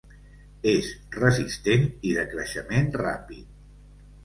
És resistent i de creixement ràpid.